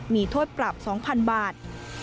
มีโทษปรับ๒๐๐๐บาท